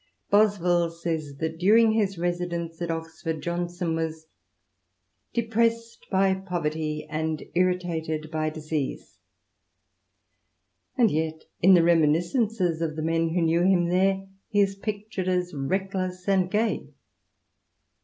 Boswell says that during hi^ residence at Oxford, Johnson was "depressed by poverty and irritated by disease," and yet, in the reminiscences of^ the men who knew him there, he is pictured as reckless and ^ gay.